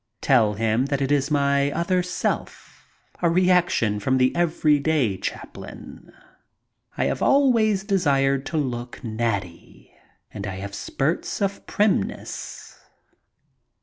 Tell him that it is my other self, a reaction from the everyday Chaplin, I have always desired to look natty and I have spurts of primness.